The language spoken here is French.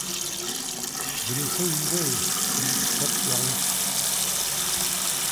Je ne sais où il est, dit Capgaroupe.